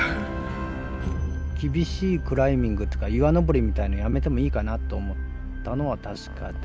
厳しいクライミングとか岩登りみたいのをやめてもいいかなと思ったのは確かで。